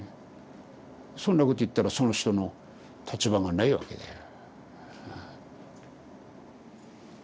そんなこと言ったらその人の立場がないわけだよ。